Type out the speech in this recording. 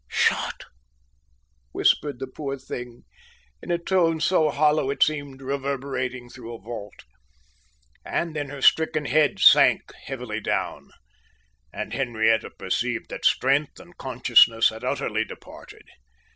shot!" whispered the poor thing, in a tone so hollow, it seemed reverberating through a vault. And then her stricken head sank heavily down and Henrietta perceived that strength and consciousness had utterly departed.